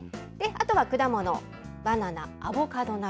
あとは果物、バナナ、アボカドな